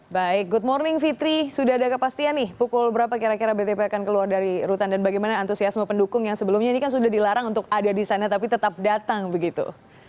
baik good morning fitri sudah ada kepastian nih pukul berapa kira kira btp akan keluar dari rutan dan bagaimana antusiasme pendukung yang sebelumnya ini kan sudah dilarang untuk ada di sana tapi tetap datang begitu